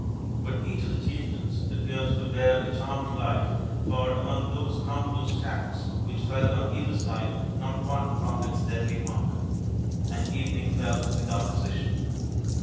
But each of the chieftains appeared to bear a charmed life, for among those countless shafts which fell on either side not one found its deadly mark ; and evening fell without decision.